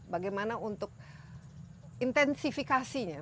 bagaimana untuk intensifikasinya